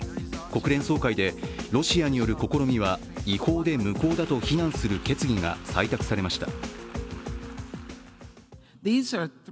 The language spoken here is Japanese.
国連総会でロシアによる試みは違法で無効だと非難する決議が採択されました。